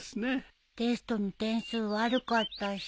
テストの点数悪かったし。